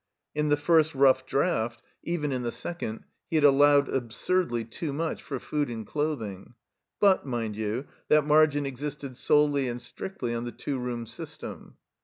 (In the first roug^ draft — even in 128 THE COMBINED MAZE the second — ^he had allowed absurdly too much for food and clothing.) But, mind you, that margin existed solely and strictly on the two room system.